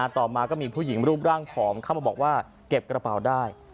ต่อมาก็มีผู้หญิงรูปร่างผอมเข้ามาบอกว่าเก็บกระเป๋าได้